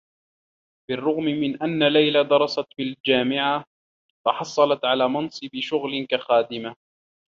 بالرّغم من أنّ ليلى درست في الجامعة، تحصّلت على منصب شغل كخادمة.